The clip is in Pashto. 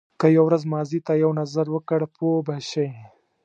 که یو ورځ ماضي ته یو نظر وکړ پوه به شې.